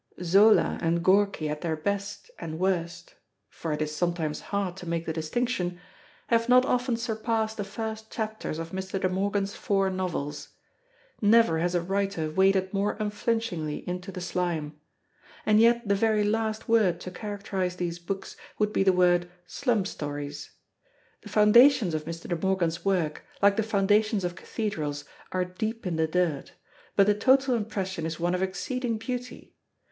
Zola and Gorky at their best, and worst for it is sometimes hard to make the distinction have not often surpassed the first chapters of Mr. De Morgan's four novels. Never has a writer waded more unflinchingly into the slime. And yet the very last word to characterise these books would be the word "slum stories." The foundations of Mr. De Morgan's work, like the foundations of cathedrals, are deep in the dirt; but the total impression is one of exceeding beauty.